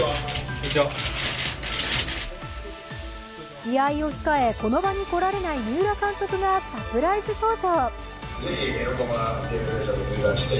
試合を控え、この場に来られない三浦監督がサプライズ登場。